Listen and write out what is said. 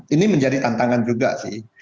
ini menjadi tantangan juga sih